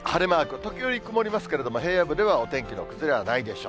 時折曇りますけれども、平野部ではお天気の崩れはないでしょう。